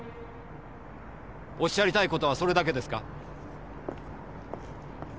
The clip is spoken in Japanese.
おっしゃりたいことはそれだけですか？